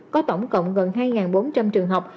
có tổng cộng gần hai bốn trăm linh trường học